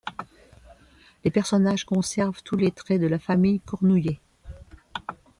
Les personnages conservent tous les traits de la famille Cornouillet.